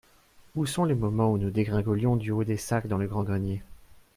Où sont les moments où nous dégringolions du haut des sacs dans le grand grenier.